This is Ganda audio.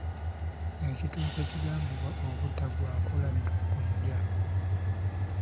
Ekitooke ekigambibwa obutagwako laddu ggonja.